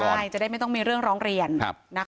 ใช่จะได้ไม่ต้องมีเรื่องร้องเรียนนะคะ